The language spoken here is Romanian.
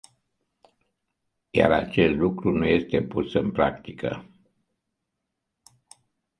Iar acest lucru nu este pus în practică.